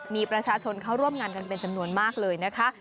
มีประชาชนเข้าร่วมงานกันเป็นจำนวนมากเลยนะคะ